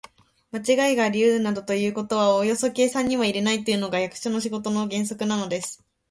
まちがいがありうるなどということはおよそ計算には入れないというのが、役所の仕事の原則なのです。